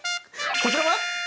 こちらは？